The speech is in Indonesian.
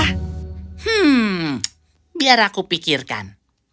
hmm biar aku pikirkan